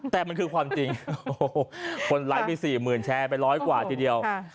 แต่มันคือความจริงโอ้โหคนไลค์มี๔๐๐๐แชร์ไปร้อยกว่าทีเดียว